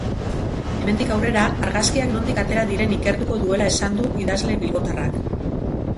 Hemendik aurrera, argazkiak nondik atera diren ikertuko duela esan du idazle bilbotarrak.